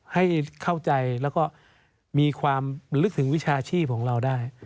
ให้เข้าใจแล้วก็มีความลึกถึงวิชาชีพของเราได้